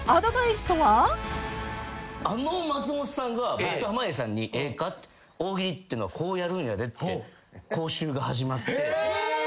あの松本さんが僕と濱家さんに「ええか大喜利ってのはこうやるんやで」って講習が始まってうわ！って思って。